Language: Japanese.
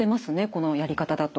このやり方だと。